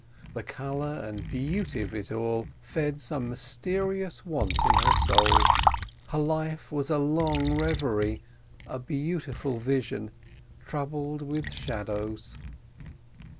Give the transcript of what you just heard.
The colour and the beauty of it all fed some mysterious want in her soul. Her life was a long reverie, a beautiful vision—troubled with shadows.